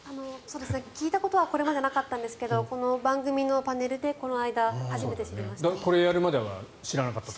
聞いたことはなかったんですがこの番組のパネルでこの間、初めて知りました。